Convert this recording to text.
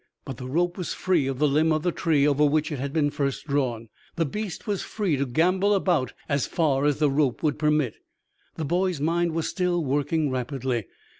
But the rope was free of the limb of the tree over which it had been first drawn. The beast was free to gambol about as far as the rope would permit. The boy's mind was still working rapidly.